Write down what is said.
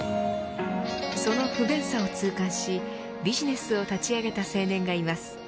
その不便さを痛感し、ビジネスを立ち上げた青年がいます。